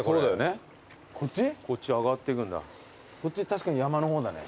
確かに山の方だね。